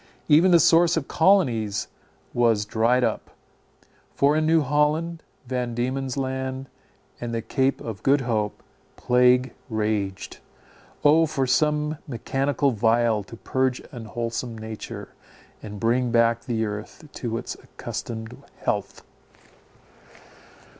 Even the source of colonies was dried up, for in New Holland, Van Diemen's Land, and the Cape of Good Hope, plague raged. O, for some medicinal vial to purge unwholesome nature, and bring back the earth to its accustomed health!